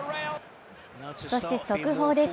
そして速報です。